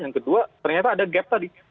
yang kedua ternyata ada gap tadi